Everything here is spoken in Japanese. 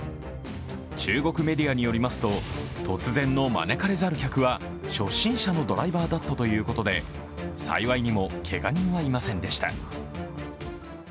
中国メディアによりますと、突然の招かれざる客は初心者のドライバーだったということで、幸いにもけが人はいませんでした。